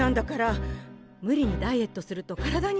無理にダイエットすると体によくないよ。